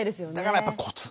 だからやっぱりコツ。